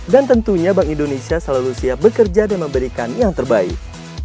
dan tentunya bank indonesia selalu siap bekerja dan memberikan yang terbaik